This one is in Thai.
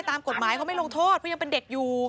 ตามกฎหมายเขาไม่ลงโทษเพราะยังเป็นเด็กอยู่